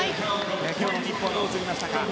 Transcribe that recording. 今日の日本、どう映りましたか。